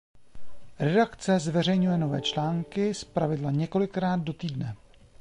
Redakce zveřejňuje nové články zpravidla několikrát do týdne.